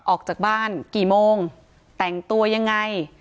ออกจากบ้านกี่โมงแต่งตัวยังไง